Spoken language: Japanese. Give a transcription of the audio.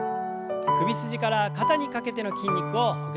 首筋から肩にかけての筋肉をほぐします。